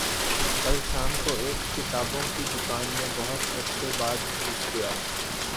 کل شام کو ایک کتابوں کی دکان میں بہت عرصے بعد گھس گیا